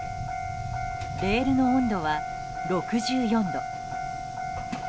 レールの温度は６４度。